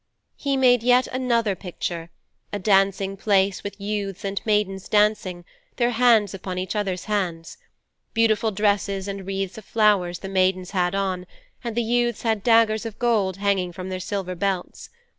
'He made yet another picture a dancing place with youths and maidens dancing, their hands upon each others' hands. Beautiful dresses and wreaths of flowers the maidens had on, and the youths had daggers of gold hanging from their silver belts.